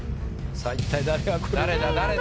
さあ一体誰がくるのか？